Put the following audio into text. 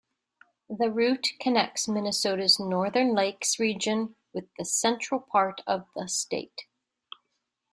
The route connects Minnesota's northern lakes region with the central part of the state.